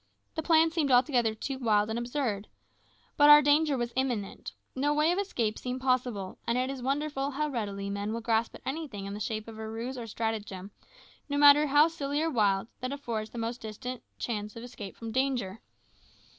The plan seemed altogether too wild and absurd. But our danger was imminent. No way of escape seemed possible, and it is wonderful how readily men will grasp at anything in the shape of a ruse or stratagem, no matter how silly or wild, that affords the most distant chance of escape from danger.